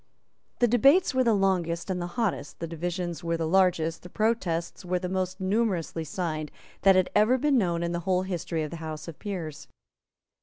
The debates were the longest and the hottest, the divisions were the largest, the protests were the most numerously signed that had ever been known in the whole history of the House of Peers.